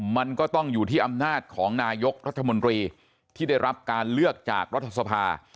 มันก็ต้องอยู่ที่อำนาจของนายกรัฐมนตรีที่ได้รับการเลือกจากรัฐสภา